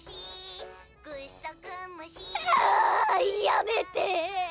やめてぇ！